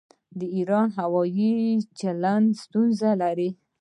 د ایران هوايي چلند ستونزې لري.